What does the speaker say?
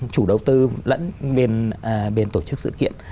chủ đầu tư lẫn bên tổ chức sự kiện